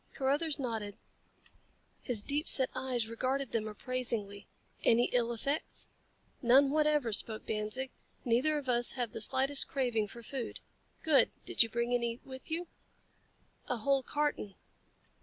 Carruthers nodded. His deep set eyes regarded them appraisingly. "Any ill effects?" "None whatever," spoke Danzig. "Neither of us have the slightest craving for food." "Good. Did you bring any with you?" "A whole carton."